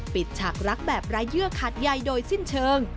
ฉากรักแบบรายเยื่อขาดใยโดยสิ้นเชิง